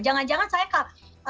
jangan jangan saya kak